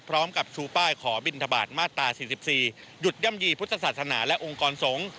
ชูป้ายขอบินทบาทมาตรา๔๔หยุดย่ำยีพุทธศาสนาและองค์กรสงฆ์